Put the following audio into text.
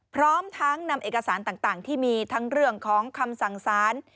พร้อมทั้งนำเอกสารต่างที่มีทั้งเรื่องของคำสั่งสาร